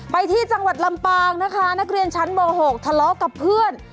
ไปที่จังหวัดลำปางนะคะนักเรียนชั้นม๖ทะเลาะกับเพื่อน